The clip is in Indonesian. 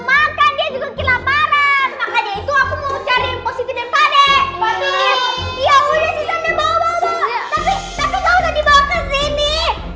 makanya itu aku mau cari positif